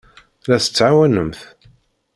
La t-tettɛawanemt?